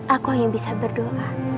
aku hanya bisa berdoa